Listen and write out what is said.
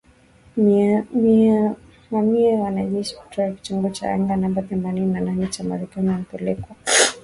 Mamia ya wanajeshi kutoka kitengo cha anga namba themanini na nane cha Marekani wamepelekwa katika milima ya msituni ya mashariki mwa Poland